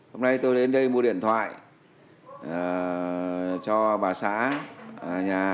hôm nay tôi đến đây mua điện thoại cho bà xá nhà